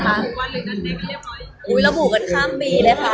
ถ้ามีคนนึงพูดขึ้นมาก็ไปเอาไป